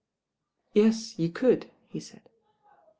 "Yes, you could," he said.